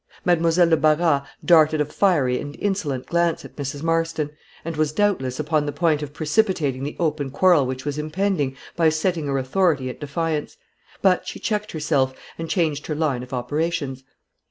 Mademoiselle de Barras darted a fiery and insolent glance at Mrs. Marston, and was, doubtless, upon the point of precipitating the open quarrel which was impending, by setting her authority at defiance; but she checked herself, and changed her line of operations.